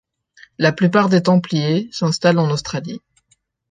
La plupart des Templiers s'installent en Australie.